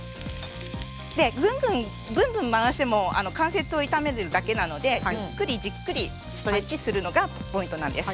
ブンブン回しても関節を痛めるだけなのでゆっくりじっくりストレッチするのがポイントなんです。